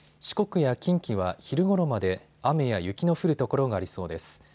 四国や近畿は昼ごろまで雨や雪の降る所がありそうです。